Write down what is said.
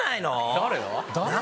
誰？